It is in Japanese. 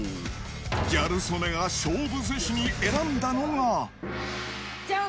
ギャル曽根が勝負寿司に選んだのは。じゃん！